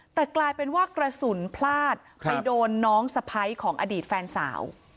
แต่กลายเป็นว่ากระสุนพลาดไปโดนน้องสะพ้ายของอดีตแฟนสาว